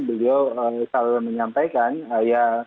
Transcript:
beliau selalu menyampaikan ya